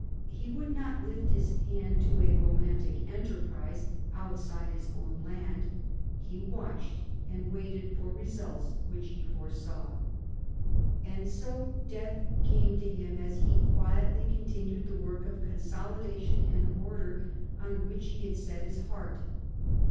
He would not lift his hand to a romantic enterprise outside his own land. He watched and waited for results which he foresaw. And so death came to him as he quietly continued the work of consolidation and order on which he had set his heart.